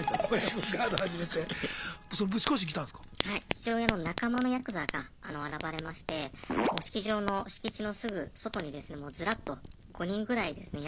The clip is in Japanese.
父親の仲間のヤクザが現れまして式場の敷地のすぐ外にですねもうズラッと５人ぐらいですね